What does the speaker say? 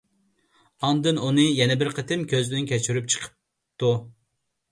ئاندىن ئۇنى يەنە بىر قېتىم كۆزدىن كەچۈرۈپ چىقىپتۇ.